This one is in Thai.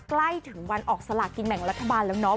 ใกล้ถึงวันออกสลากินแบ่งรัฐบาลแล้วเนาะ